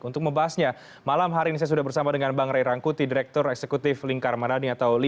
untuk membahasnya malam hari ini saya sudah bersama dengan bang ray rangkuti direktur eksekutif lingkar madani atau lima